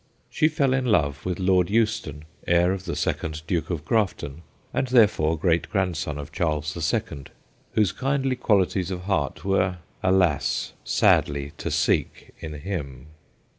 She fell in love with Lord Euston, heir of the second Duke of Grafton, and therefore great grandson of Charles the Second, whose kindly qualities of heart were, alas ! sadly to seek in him.